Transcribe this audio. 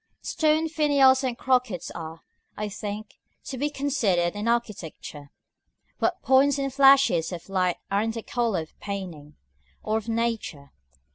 § IX. Stone finials and crockets are, I think, to be considered in architecture, what points and flashes of light are in the color of painting, or of nature.